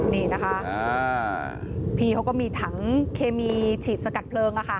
นี่นะคะพี่เขาก็มีถังเคมีฉีดสกัดเพลิง